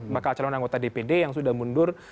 bakal calon anggota dpd yang sudah mundur